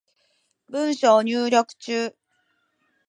文章入力中